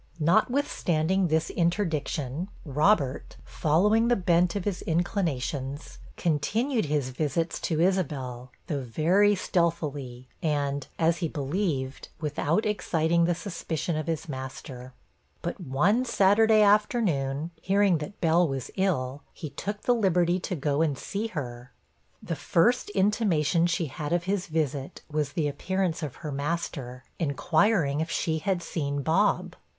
Notwithstanding this interdiction, Robert, following the bent of his inclinations, continued his visits to Isabel, though very stealthily, and, as he believed, without exciting the suspicion of his master; but one Saturday afternoon, hearing that Bell was ill, he took the liberty to go and see her. The first intimation she had of his visit was the appearance of her master, inquiring 'if she had seen Bob.'